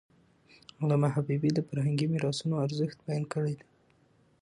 علامه حبيبي د فرهنګي میراثونو ارزښت بیان کړی دی.